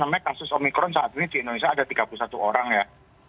namanya kasus omikron saat ini di indonesia ada tiga puluh satu orang ya